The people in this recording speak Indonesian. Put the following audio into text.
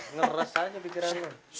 ngeras aja pikirannya